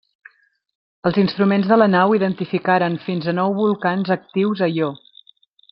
Els instruments de la nau identificaren fins a nou volcans actius a Ió.